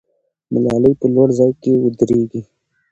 ملالۍ په لوړ ځای کې ودرېږي.